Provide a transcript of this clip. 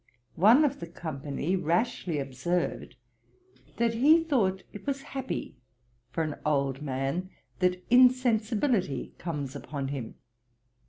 One of the company rashly observed, that he thought it was happy for an old man that insensibility comes upon him.